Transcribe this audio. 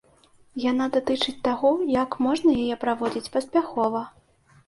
Яна датычыць таго, як можна яе праводзіць паспяхова.